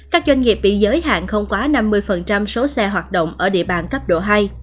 các doanh nghiệp bị giới hạn không quá năm mươi số xe hoạt động ở địa bàn cấp độ hai